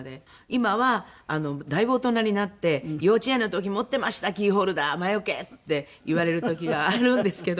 今はだいぶ大人になって「幼稚園の時持ってましたキーホルダー魔よけ」って言われる時があるんですけど。